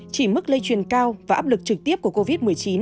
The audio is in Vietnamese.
chỉ mức lây truyền cao và áp lực trực tiếp của covid một mươi chín